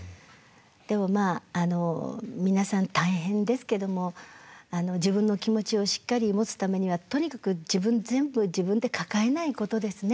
でもまあ皆さん大変ですけども自分の気持ちをしっかり持つためにはとにかく自分全部自分で抱えないことですね。